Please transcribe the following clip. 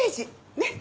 ねっ。